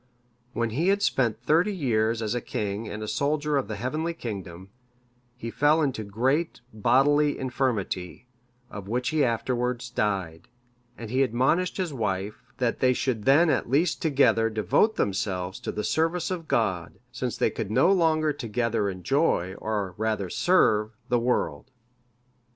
When he had spent thirty years as a king and a soldier of the heavenly kingdom, he fell into great bodily infirmity, of which he afterwards died, and he admonished his wife, that they should then at least together devote themselves to the service of God, since they could no longer together enjoy, or rather serve, the world.